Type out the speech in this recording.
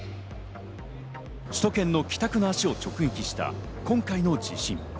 首都圏の帰宅の足を直撃した今回の地震。